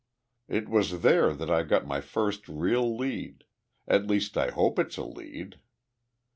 "It was there that I got my first real lead at least I hope it's a lead.